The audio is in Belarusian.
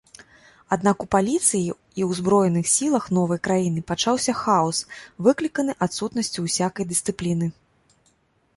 Аднак у паліцыі і ўзброеных сілах новай краіны пачаўся хаос, выкліканы адсутнасцю усякай дысцыпліны.